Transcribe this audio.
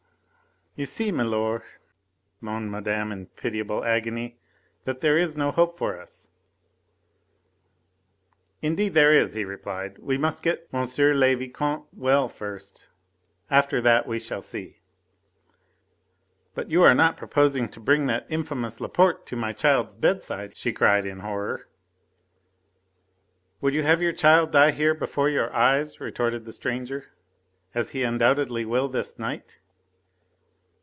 "You see, milor," moaned Madame in pitiable agony, "that there is no hope for us." "Indeed there is," he replied. "We must get M. le Vicomte well first after that we shall see." "But you are not proposing to bring that infamous Laporte to my child's bedside!" she cried in horror. "Would you have your child die here before your eyes," retorted the stranger, "as he undoubtedly will this night?"